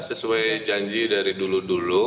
sesuai janji dari dulu dulu